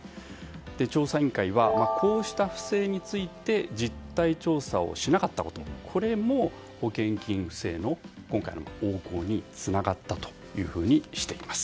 調査委員会はこうした不正について実態調査をしなかったことこれも保険金不正の今回の横行につながったとしています。